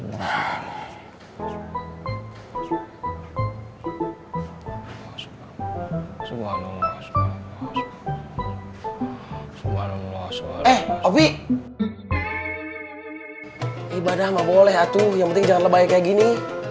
ibadah nggak boleh atuh yang penting jangan lebay kayak gini